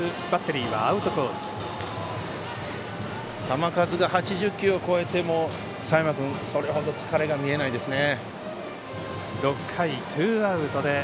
球数が８０球超えても佐山君それほど疲れが見えないですね。